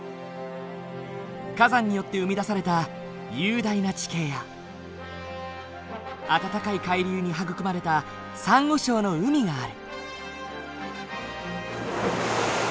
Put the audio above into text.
火山によって生み出された雄大な地形や温かい海流に育まれたサンゴ礁の海がある。